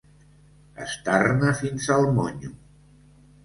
Estar-ne fins al monyo.